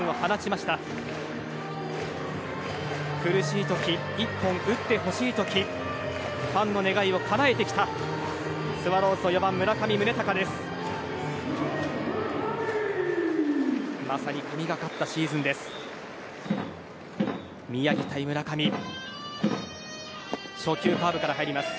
まさに神がかったシーズンです。